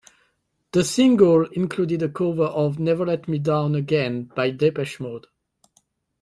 The single included a cover of "Never Let Me Down Again" by Depeche Mode.